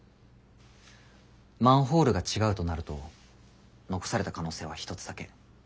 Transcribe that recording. マンホールが違うとなると残された可能性は一つだけ。